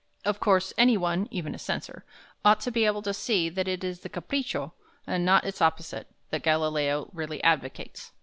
Of course any one (even a censor) ought to be able to see that it is the Capriccio, and not its opposite, that Galileo really advocates.